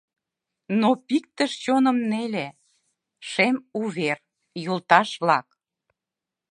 Но пиктыш чоным неле, шем увер: «Йолташ-влак!